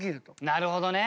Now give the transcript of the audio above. なるほどね。